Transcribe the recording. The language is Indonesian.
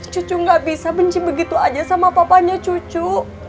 cucu nggak bisa benci begitu aja sama papanya cucu